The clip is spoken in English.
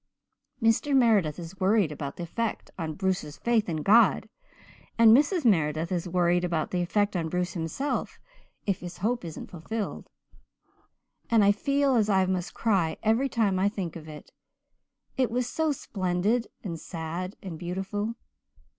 "Mr. Meredith is worried about the effect on Bruce's faith in God, and Mrs. Meredith is worried about the effect on Bruce himself if his hope isn't fulfilled. And I feel as if I must cry every time I think of it. It was so splendid and sad and beautiful.